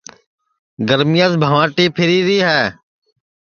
گرمیاس بھوانٚٹی پھیری ری ہے